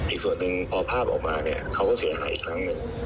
อีกส่วนหนึ่งพอภาพออกมาเนี่ยเขาก็เสียหายอีกครั้งหนึ่ง